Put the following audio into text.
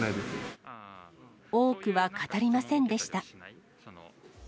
多くは語りませんでした。